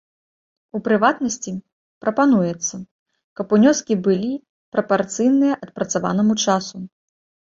У прыватнасці, прапануецца, каб унёскі былі прапарцыйныя адпрацаванаму часу.